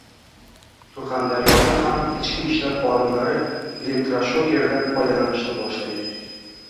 Surxondaryoda ham ichki ishlar xodimlari elektroshokerdan foydalanishni boshlaydi